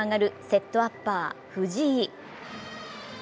セットアッパー・藤井。